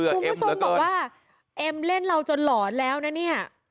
คุณผู้ชมบอกว่าเอ็มเล่นเราจนหลอนแล้วนะเนี่ย